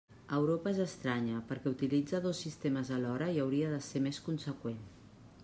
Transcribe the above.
Europa és estranya perquè utilitza dos sistemes alhora, i hauria de ser més conseqüent.